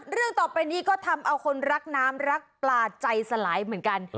เรื่องต่อไปนี้ก็ทำเอาคนรักน้ำรักปลาใจสลายเหมือนกัน